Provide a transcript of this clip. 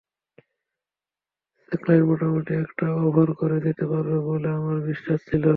সাকলাইন মোটামুটি একটা ওভার করে দিতে পারবে বলে আমার বিশ্বাস ছিল।